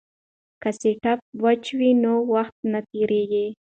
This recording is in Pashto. که سټاپ واچ وي نو وخت نه تېریږي.